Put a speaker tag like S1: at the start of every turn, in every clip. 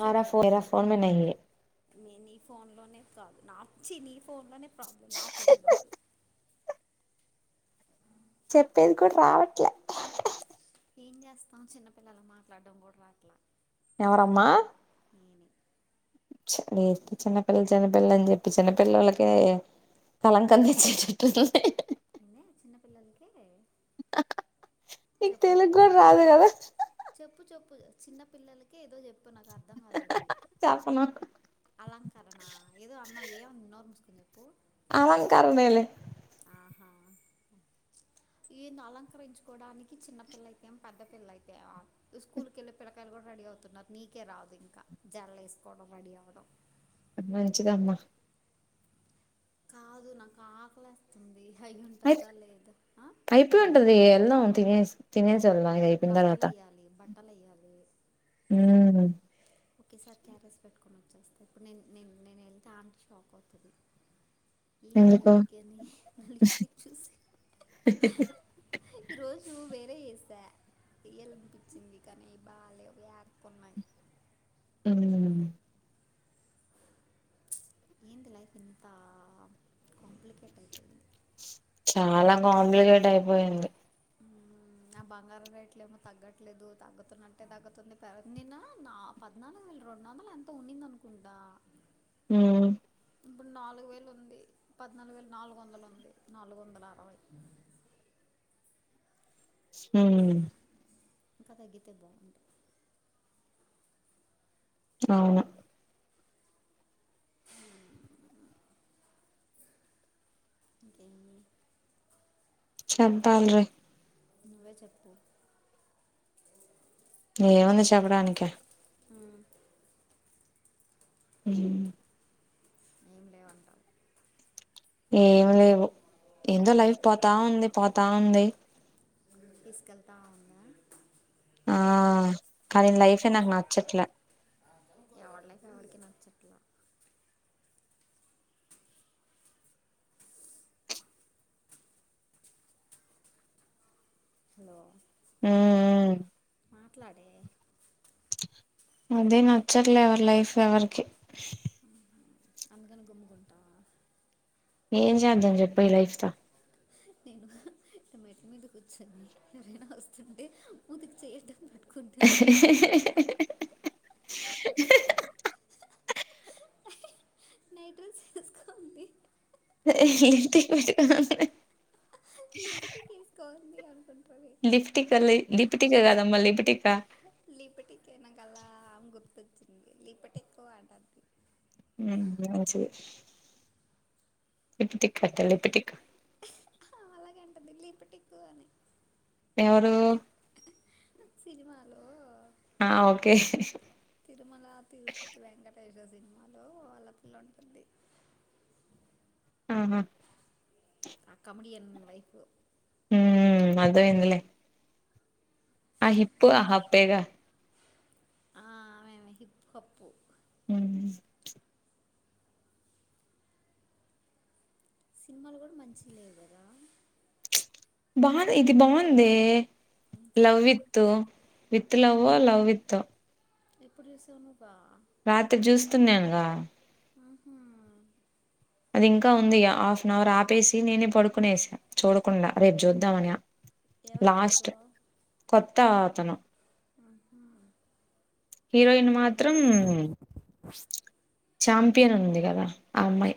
S1: చేసారు
S2: మారా ఫో
S1: కదా
S2: మేరా ఫోన్ మే నహీ హై
S1: నే నీ ఫోన్ లోనే కాదు నాచ్చి నీ ఫోన్ లోనే ప్రాబ్లం నా ఫోన్ కాదు
S2: చెప్పేది కూడా రావట్లే
S1: ఏం చేస్తాం చిన్నపిల్లలు మాట్లాడడం రేట్ల
S2: ఎవరమ్మా లేస్తే చిన్నపిల్లల్ చిన్నపిల్లల్ అని చెప్పి చిన్నపిల్లకిే కలం కంతెచ్చేటటుంది
S1: ఏంది చిన్నపిిల్లలకి
S2: నీకు తెలుగు కూడా రాదు కదా
S1: త్ చిన్న పిల్లలకే ఏదో చెప్పువ్ నాకు అర్థం కాలే అది
S2: చెప్పను
S1: అలాం కారణ ఏదో అన్నవ్ ఏవన్ ఇన్నోరు ముసుకోని చెప్
S2: అలంకరనేలే
S1: ఆహా ఏంది అలంకరించుకోడానికి చిన్న పిల్ల అయితేం పెద్ద పిల్ల అయితే స్కూల్ కెళ్లే పిల్లకాయలు కూడా రెడీ అతున్నారు నీకే రాదు ఇంకా జల్ వేసుకోవడం రెడీ అవడం
S2: మంచిదమ్మా
S1: కాదు నాకు ఆకలేస్తుంది అయి
S2: అయిపో
S1: ఉంటుందా లేదా ఆ?
S2: అయిపోయి ఉంటది వెళ్దాం తినేసి తినేస్ సెల్దాం ఇది అయిపోయిన తర్వాత
S1: పలేయ్యాలి
S2: మ్
S1: ఓకే సారి క్యారెస్ పెట్టుకొని వచ్చేస్తా ఇప్పుడు నే నేను వెళ్తే అంటి షాక్ అవుతది ఏంది
S2: ఎందుకు
S1: మూతికాని నా లిప్స్టిక్ చూసి ఈ రోజు వేరే చేసా ఇయల్ అనిపించింది కానీ బాగాలే యాక్ కున్నాయ్
S2: మ్
S1: ఏంటి లైఫ్ ఇంత కాంప్లికేట్ అయిపోయింది
S2: చాలా కాంప్లికేట్ అయిపోయింది
S1: మ్ నా బంగారం రేట్లేమొ తగ్గట్లేదు తగ్గుతున్నట్టే తగ్గుతుంది పెర్ నిన్న పద్నాలుగు వేలు రెండు వందలు ఎంతో ఉన్నిందనుకుంటా
S2: మ్
S1: ఇప్పుడు నాలుగు వేలు ఉంది పద్నాలుగు వేలు నాలుగు వందలు ఉంది నాలుగు వందల అరవై
S2: మ్
S1: ఇంకా తగ్గితే బాగుండు
S2: అవును
S1: ఇంకేమి
S2: చెప్పాల్ రే
S1: నువ్వే చెప్పు
S2: రే ఏముంది చెప్పడానికి మ్
S1: ఏం లేవంటవు
S2: ఏమి లేవు ఏందో లైఫ్ పోతా ఉంది పోతా ఉంది
S1: తీసుకెళ్తా ఉందా
S2: ఆ కానీ లైఫే నాకు నచ్చట్లే
S1: ఎవడిలైఫ్ ఎవరికి నచ్చట్లా హలో
S2: మ్ మ్
S1: మాట్లాడే
S2: అదే నచ్చట్లే ఎవరి లైఫ్ ఎవరికి
S1: అందుకని గుమ్ముకుంటావా
S2: ఏం చేద్దాం చెప్పు ఈ లైఫ్ తో
S1: నేను ఇట మెట్ల మీద కూర్చొని ఎవరైనా వస్తుంటే మూతికి చేయ్యి అడ్డం
S2: [inaudible]
S1: నైట్ డ్రెస్ వేసుకుంది లిప్టిక్
S2: ంటి
S1: వేసుకోండి అనుకుంటుంది
S2: లిఫ్టిక్ లే లిప్టిక కాదమ్మ లిపిటికా
S1: లిపటికో అంటాది.
S2: హ్మ్ మంచిది లిపిటిక్ అంట లిపిటిక్
S1: ఆమ అలాగే అంటుంది లిపిటికు అనీ
S2: ఎవరూ
S1: సినిమలో
S2: ఆ ఓకే
S1: తిరుమల తిరుపతి వెంకటేశ సినిమాలో వాళ్ల పిల్ల అంటుంది.
S2: హ్మ్ హు
S1: ఆ కమెడిన్ వైఫ్
S2: మ్మ్ అర్థమైందిలే ఆ హిప్పు ఆ హప్పేగా!
S1: ఆఁ ఆమెమే హిప్పు హప్పు
S2: మ్ఁ
S1: సినిమాలు గూడా మంచిగ లేవు గదా!
S2: బావున్ది ఇది బావున్దే
S1: ఏం
S2: లవ్
S1: సినిమా
S2: విత్త్ వి త్ లవ్వో, లవ్ విత్తో
S1: ఎప్పుడు చేస్తవ్ నుబా
S2: రాత్రి చూస్తున్నానుగా
S1: ఆహా.
S2: అది ఇంకా ఉంది హాఫ్ అన్ అవర్ ఆపేసి నేనే పడుకునేసా చూడకుండా రేపు చూద్దామనా
S1: ఎయరు హీరో
S2: త్త అతను
S1: ఆ హాఁ
S2: హీరోయిన్ మాత్రం చాంపియన్ ఉంది కదా ఆ అమ్మాయి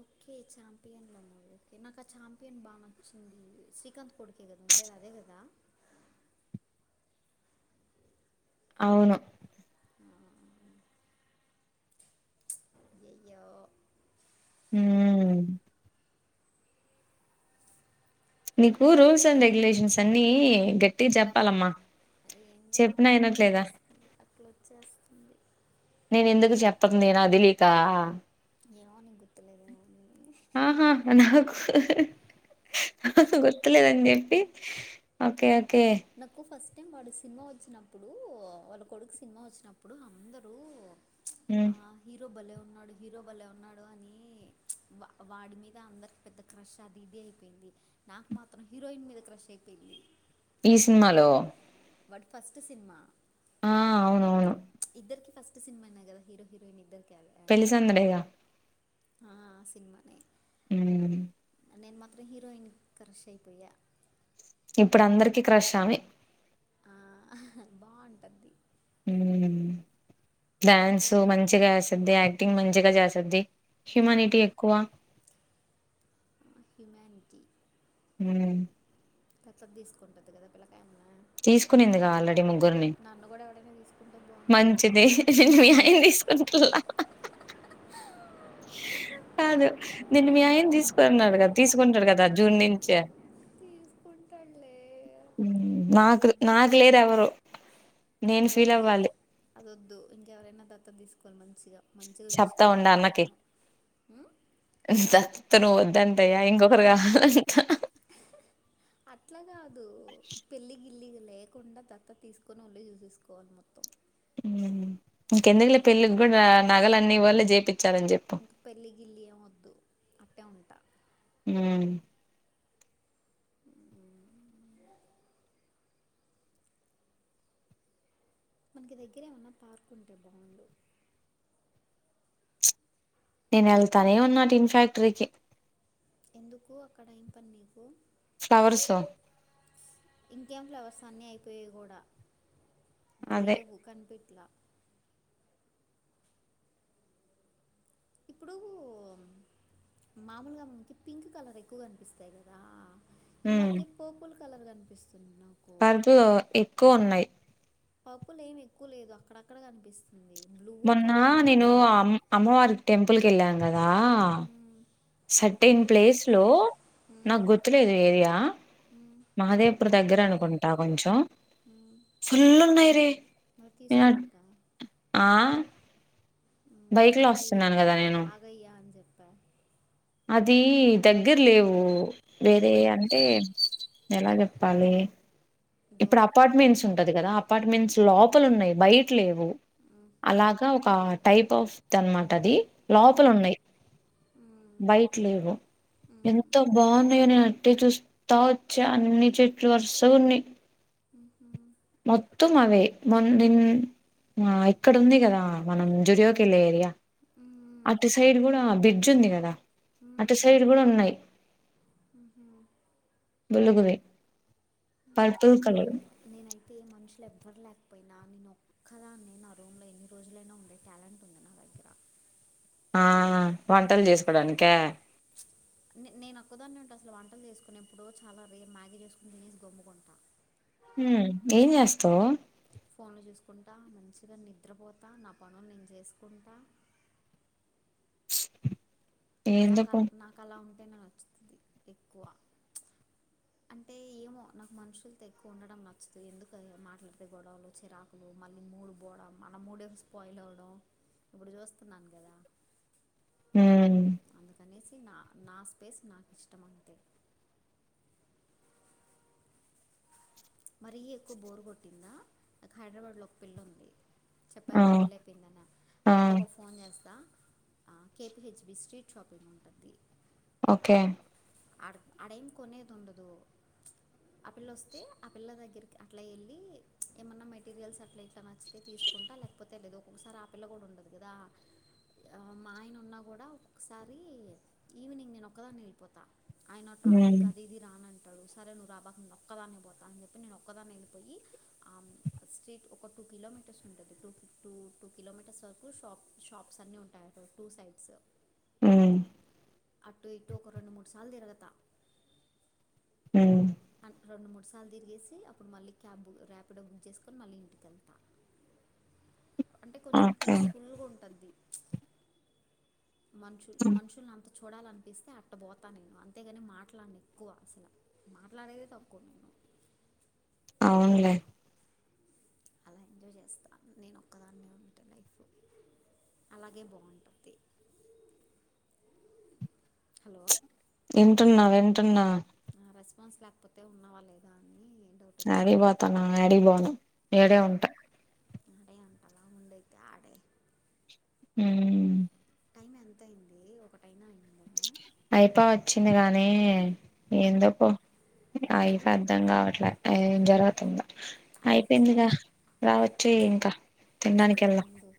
S1: ఓక్ ఓకే ఛాంపియన్లో ఉన్నరు. ఓకే నాకు ఆ చాంపియన్ బాగ నచ్చింది. శ్రీకాంత్ కొడుకే కదా ఉండేది అదే క దా
S2: అవును
S1: ప్చ్ అయ్యయ్యో
S2: హ్మ్ఁ నీకు రూల్స్ అండ్ రెగ్యులేషన్స్ అన్నీ గట్టిగా చెప్పాలమ్మా!
S1: ఎందో నాకు
S2: చెప్పినా
S1: అట్ట
S2: వినట్లేదా
S1: వచ్చేస్తుంది, అట్లా వచ్చేస్తుంది.
S2: నేను ఎందుకు చెప్పంది నాకు తేలీకా
S1: ఏమో నీకు గుర్తులేదేమో అనీ
S2: ఆహా నాకు గుర్తులేదని చెప్పి ఓకే ఓకే
S1: నాకు ఫస్ టైం వాడు సినిమా వచ్చినప్పుడూ, వాళ్ళ కొడుకు సినిమా వచ్చినప్పుడు అందరూ ప్చ్
S2: హ్మ్.
S1: ఆ హీరో బలే ఉన్నాడు హీరో బలే ఉన్నాడు అనీ ప్చ్ వా వాడి మీద అందరికి పెద్ద క్రష్ అది ఇది అయిపోయింది. నాకు మాత్రం హీరోయిన్ మీద క్రష్ అయిపోయింది.
S2: ఈ సినిమాలో
S1: వాడి ఫస్ట్ సినిమా.
S2: ఆఁ అవునవును
S1: ప్చ్ ఇద్దరికి ఫస్ట్ సినిమానే గద హీరో, హీరోయిన్ ఇద్దరికె
S2: పెళ్లిసందడేగా
S1: ఆ సినిమానే
S2: అ
S1: నేను మాత్రం హీరోయిన్ క్రష్ అయిపోయా
S2: ఇప్పుడు అందరికిీ క్రషామి
S1: ఆ బాగుంటది
S2: డ్యాన్సు
S1: క్యూట్
S2: మంచిగా చేస్తుది యాక్టింగ్ మంచిగా చేస్తుద్ది హ్యూమానిటీ ఎక్కువ
S1: హ్యూమెనిటీ
S2: హ
S1: త తీసుకుంటంది కదా పిలాయన
S2: తీసుకునిందిగా ఆల్రెడీ ముగ్గురిని
S1: నన్ను కూడా ఎవడైనా తీసుకుంటే బాగుండు
S2: మంచిది నను వయ తీసుకుంటలా కాదు నిేన్న మీ అయం తీసుకున్నాడు కదా తీసుకుంటాడు కదా ద జూన్ నుంచే
S1: తీసుకుంటాంలే
S2: మ్మ్. నాకు నాకు లేరు ఎవరు నేను ఫీల్ అవ్వాలి
S1: ఎనా తత్త తీసుకోవాలి మంచిగా మంచిగా చూసుకునేవాళ్ళు నన్ను ఉం?
S2: స నువవు వద్దంతయ్యా ఇంకొకరుగా
S1: అట్లా కాదు పెళ్ళి గిల్లి లేకుండా దత్త తీసుకుొని ఒల్ళ్లి చూసేసుకోవాలి మొత్తం
S2: ఇంకెందుకులో పెళ్ళికి కూడా నగల అన్ని వాళ చేపి
S1: ఇంకా పెళ్ళి గిల్లి అే వద్దు అట్టే ఉంటా
S2: అ
S1: మనకి దగ్గర ఏమన్నా పార్క్ ఉంటే బాగుండు
S2: నేను వెళ్తానే ఉన్నాటి ఇన్ ఫ్యాక్టరీకి
S1: ఎందుకు అక్కడ ఏం పని నీకు
S2: ఫ్లావర్ సో
S1: పన్న అయిపోయాయి కూడా ఇప్పుడు
S2: అదే
S1: లేవు కనిపెట్లా ఇప్పుడు మామూలుగా మమ్మనకి పింక్ కలర్ ఎక్కువ కనిపిస్తాయి కదా ఈ మధ్య పర్పుల్ కలర్ కనిపిస్తుంది నాకు
S2: కరుపులు ఎక్కువ ఉన్నాయి
S1: పకులు ఏం ఎక్కువ లేదు అక్కడక్కడ కనిపిస్తుంది బ్లూవో
S2: మొన్న
S1: పర్పులో
S2: నేను
S1: ఏదో అది
S2: అమ్ అమ్మవారి టెంపుల్ క వెళ్ళాను కదా
S1: మ్మ్,
S2: సర్టీన్ ప్లేస్ లో
S1: మ్మ్,
S2: నాకు గుర్తులేదు ఏరియా
S1: మ్మ్,
S2: మహాదేవ్పూర్ దగ్గర అనుకుంటా కొంచెం
S1: మ్మ్.
S2: ఫుల్ ఉన్నాయిరే
S1: మరి తీసుకోకూడదా
S2: ఆ బైక్ లో
S1: ఆగయ్యా
S2: వస్తున్నాను కదా నేను
S1: ఆగయ్యా అని చెప్ప
S2: అది దగ్గర లేవు వేరే
S1: మ్మ్,
S2: అంటే ఎలా చెప్పాలి ఇప్పుడు
S1: దూరం
S2: అపార్ట్మెంట్స్ ఉంటది కదా అపార్ట్మెంట్స్ లోపల ఉన్నాయి బయట లేవు అలాగా ఒక టైప్ ఆఫ్ అనమాట అది లోపల ఉన్నాయి బయట లేవు ఎంత బాగున్నాయో నే అట్టే చూస్తా వచ్చా అన్ని చెట్లు వర్స ఉన్ని మొత్త మ అవే ముందిన్ ఆ ఇక్కడ ఉంది కదా మనం జురియాకిల్ళ ఏరియా అటు సైడ్ కూడా బ్రిడ్జ్ ఉంది కదా అటు సైడ్ కూడా ఉన్నాయి బలుగువే పర్పుల్ కలర్
S1: ఫల ఎవ్వర్ లేకపోయినా నేను ఒక్కదా అన్న నా రూమ్లో ఎన్ని రోజులైనా ఉండే టాలెంట్ ఉంది నా దగ్గర అ
S2: ఆ వంటలు జేసుకోడానికా?
S1: నే నేను వక్కదాన్నే ఉంటే అసలు వంటలు చేసుకు నేను ఎప్పుడో చాలా రేపు మ్యాగీ చేసుకుని తినేసి గమ్ముకుంటా
S2: మ్మ్ ఏం చేస్తావ్
S1: ఫోన్లు చూసుకుంటా మంచిగా నిద్రపోతా నా పనులు నేను చేసుకుంటా
S2: ఏందో పో
S1: నాకలా నాకలా ఉంటేనే నచ్చుతుంది ఎక్కువ అంటే ఏమో నాకు మనుషులు తో ఎక్కువ ఉండటడం నచ్చదు ఎందుకు మాట్లాడితే గొడవలు చిరాకులు మళ్ళీ మూడు పోవడం మన మూడ స్పాయిల్ అవ్వడం ఇప్పుడు చూస్తున్నాను కదా
S2: మ్మ్
S1: అందుకనేసి నా నా స్పేస్ నాకు ఇష్టం అంతే మరీ ఎక్కువ బోరు కొట్టిందా ఇక హైదరాబాద్ లో ఒక పిళ్ళ ఉంది చెప్ప
S2: ఆ!
S1: కదా పెళ్ళి అయిపోయిందన్న ఆ పిల్లకి ఒక ఫోన్ చేస్తా K P H P street shopping ఉంటుంది
S2: ఓకే
S1: ఆడ అడేం కొనేది ఉండదు ఆ పిల్ల వస్తే ఆ పిల్ల దగ్గరికి అట్లా వెళ్ళి ఏమన్నా మెటీరియల్స్ అట్లా ఇట్లా నచ్చితే తీసుకు కుంటా లేకపోతే లేదు ఒక్కొక్కసారి ఆ పిల్ల కూడా ఉండదు కదా ఆ మా ఆయన ఉన్నా కూడా ఒక్కొక్కసారి ఈవినింగ్ నేను ఒక్కదాన్నే వెళ్ళిపోతా ఆయన
S2: హ్మ్.
S1: ట్రాఫిక్ అది ఇది రానన్ అంటాడు సరే నువ్వు రాబాక నన్న ఒక్కదాని అయి పోతా అని చెప్పి నేను ఒక్కదాని వెళ్ళిపోయి ఆ స్ట్రీట్ ఒక టూ టూ కిలోమీటర్స్ ఉంటది టూ టూ టూ కిలోమీటర్స్ వరకు షాప్ షాప్స్ అన్ని ఉంటాయి టూ సైడ్స్
S2: మ్మ్
S1: అటు ఇటు ఒక రెండు మూడు సార్లు తిరగతా
S2: హ్మ్.
S1: అట్ రెండు మూడు సార్లు తిరిగేసి అప్పుడు మళ్ళీ క్యాబ్ బు రర్యాపిడో బుక్ చేసుకొని మళ్ళీ ఇంటికెళ్తాను అంటే కొంచెం
S2: ఓకే.
S1: పీస్ఫుల్గా ఉంటుంది మనుషులు మనుషుల్ని అంత చూడాలనిపిస్తే అట్టపోతాను నేను అంతేగాని మాట్లాడను ఎక్కువ అసలు మాట్లాడేదే తక్కువ నేను
S2: అవునులే
S1: అలా ఏం జ చేస్తాను నేను ఒక్కదాన్నే ఉంటే లైఫ్ అలాగే బాగుంటుంది హలో
S2: వింటున్నా వింటున్నా
S1: రెస్పాన్స్ లేకపోతే ఉన్నావా లేదా అని డౌట్ వచ్చింది
S2: యాడికిపోతాను యాడిగిపోను ఈడే ఉంటా
S1: ఆడే అంటలా ఉండైతే ఆడే
S2: మ్మ్
S1: టైం ఎంత అయింది ఒకటైనా అయింది
S2: అయిపా వచ్చింది గానీ ఎందుకో అవి
S1: అయిపోయి
S2: అర్థం కావట్లే ఏం జరుగుతుందో
S1: అయిపోయింది
S2: అయిపోయిందిగా రావచ్చు ఇంకా తినడానికి
S1: వస్తున్నా
S2: వెళ్దాం
S1: ఉండు